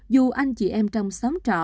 dù anh chị em trong xóm trọ